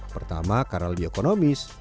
pertama karena lebih ekonomis